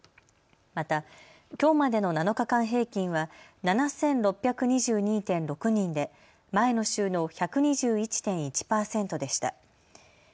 またきょうまでの７日間平均は７６２２．６人で前の週の１２１．１％でした。